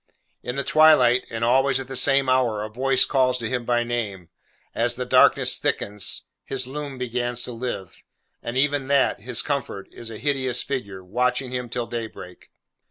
In the twilight, and always at the same hour, a voice calls to him by name; as the darkness thickens, his Loom begins to live; and even that, his comfort, is a hideous figure, watching him till daybreak.